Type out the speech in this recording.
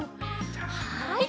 はい。